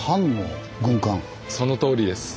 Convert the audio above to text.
そのとおりです。